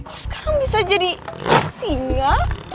kok sekarang bisa jadi singa